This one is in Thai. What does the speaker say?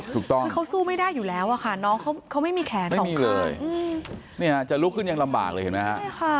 ถูกต้องเขาสู้ไม่ได้อยู่แล้วอ่ะค่ะน้องเขาเขาไม่มีแขนสองข้างไม่มีเลยจะลุกขึ้นยังลำบากเลยเห็นมั้ยฮะ